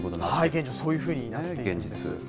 現実、そういうふうになっています。